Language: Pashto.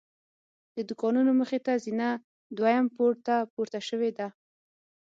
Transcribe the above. د دوکانونو مخې ته زینه دویم پوړ ته پورته شوې ده.